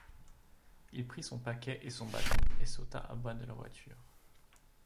Il prit son paquet et son bâton, et sauta à bas de la voiture.